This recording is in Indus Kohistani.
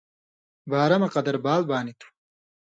بارہ مہ قَدَر بال بانیۡ تُھو۔